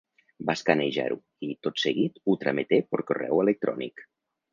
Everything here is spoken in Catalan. Va escanejar-ho i, tot seguit, ho trameté per correu electrònic.